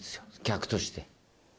客として。